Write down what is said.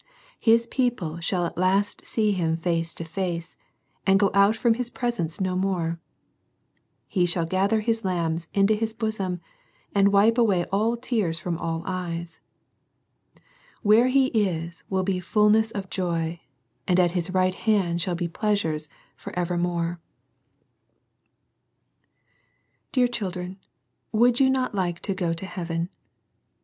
His people shall at last see Him face to face, and go out from His presence no more. He shall gather His lambs into His bosom, and wipe away all tears from all eyes. Where He is will be fulness of joy, and at His right hand shall be pleasures for evermore. 76 SERMONS FOR CHILDREN. Dear children, would you not like to go to heaven